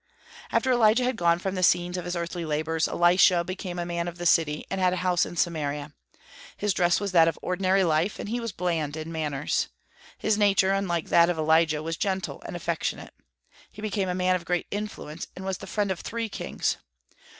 After Elijah had gone from the scenes of his earthly labors, Elisha became a man of the city, and had a house in Samaria. His dress was that of ordinary life, and he was bland in manners. His nature, unlike that of Elijah, was gentle and affectionate. He became a man of great influence, and was the friend of three kings.